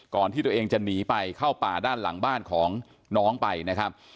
ที่ตัวเองจะหนีไปเข้าป่าด้านหลังบ้านของน้องไปนะครับ